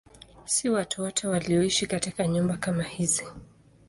Si watu wote walioishi katika nyumba kama hizi.